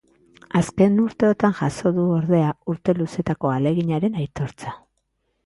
Azken urteotan jaso du, ordea, urte luzetako ahaleginaren aitortza.